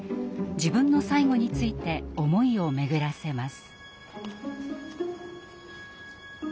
自分の最期について思いを巡らせます。